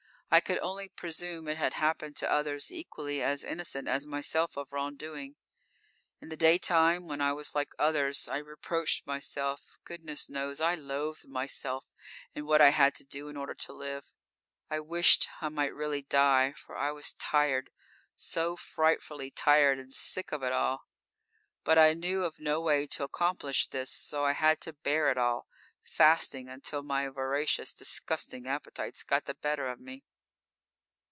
I could only presume it had happened to others equally as innocent as myself of wrong doing. In the daytime, when I was like others, I reproached myself; goodness knows I loathed myself and what I had to do in order to "live." I wished I might really die, for I was tired so frightfully tired and sick of it all. But I knew of no way to accomplish this, so I had to bear it all, fasting until my voracious, disgusting appetites got the better of me.